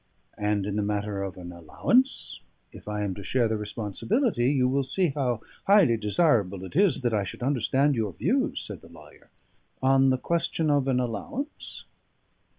"And in the matter of an allowance? If I am to share the responsibility, you will see how highly desirable it is that I should understand your views," said the lawyer. "On the question of an allowance?"